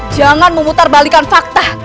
jangan memutarbalikan fakta